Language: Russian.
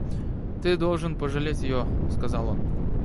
Ты должен пожалеть ее, — сказал он.